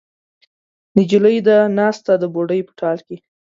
نجلۍ ده ناسته د بوډۍ په ټال کې